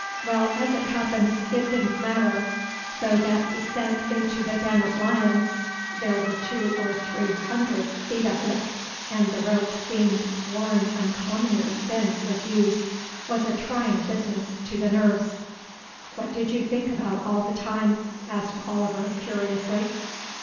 Well, as it happens, it didn't matter, though that descent into the den of lions—there were two or three hundred feet of it, and the rope seemed worn uncommonly thin with use—was a trying business to the nerves." "What did you think about all the time?" asked Oliver curiously.